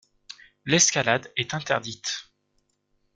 L'escalade est interdite.